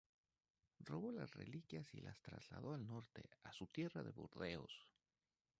Robó las reliquias y las trasladó al norte, a su tierra de Burdeos.